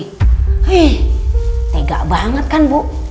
hei tega banget kan bu